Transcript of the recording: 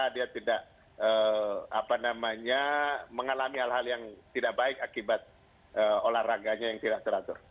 dia tidak mengalami hal hal yang tidak baik akibat olahraganya yang tidak teratur